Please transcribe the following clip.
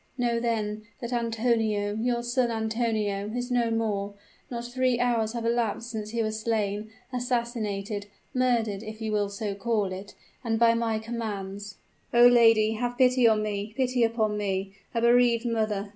Know, then, that Antonio your son Antonio is no more. Not three hours have elapsed since he was slain assassinated murdered, if you will so call it and by my commands." "Oh! lady, have pity upon me pity upon me, a bereaved mother!"